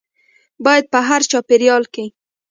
باید په هر چاپیریال کې